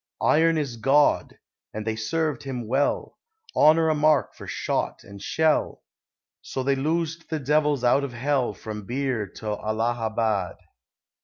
"Iron is God!" and they served him well "Honour a mark for shot and shell." So they loosed the devils out of Hell From Birr to Allahabad.